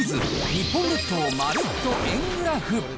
日本列島まるっと円グラフ。